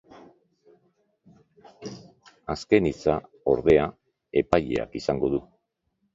Azken hitza, ordea, epaileak izango du.